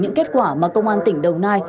những kết quả mà công an tỉnh đồng nai